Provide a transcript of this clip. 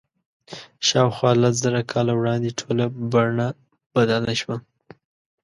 شاوخوا لس زره کاله وړاندې ټوله بڼه بدله شوه.